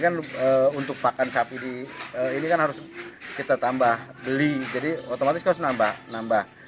kan untuk pakan sapi di ini kan harus kita tambah beli jadi otomatis harus nambah nambah